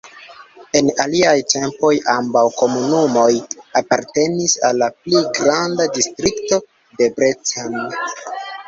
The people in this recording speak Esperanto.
En aliaj tempoj ambaŭ komunumoj apartenis al la pli granda Distrikto Debrecen.